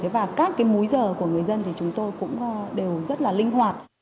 và các cái múi giờ của người dân thì chúng tôi cũng đều rất là linh hoạt